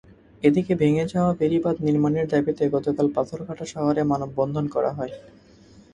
এদিকে ভেঙে যাওয়া বেড়িবাঁধ নির্মাণের দাবিতে গতকাল পাথরঘাটা শহরে মানববন্ধন করা হয়।